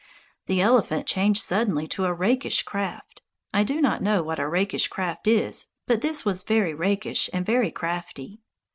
The elephant changed suddenly to "a rakish craft." (I do not know what a rakish craft is; but this was very rakish and very crafty.)